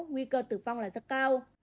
nguy cơ tử vong là rất cao